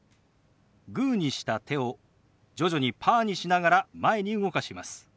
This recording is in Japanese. グーにした手を徐々にパーにしながら前に動かします。